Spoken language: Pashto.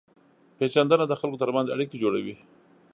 پېژندنه د خلکو ترمنځ اړیکې جوړوي.